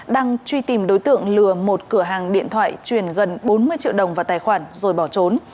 đang truy tìm đối tượng lừa một cửa hàng điện thoại chuyển gần bốn mươi triệu đồng vào tài khoản rồi bỏ trốn